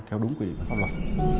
theo đúng quy định của pháp luật